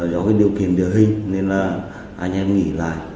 điều kiện điều hình nên là anh em nghỉ lại